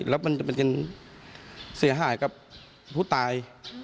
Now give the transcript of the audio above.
แล้วมันจะเป็นการเสียหายกับผู้ตาย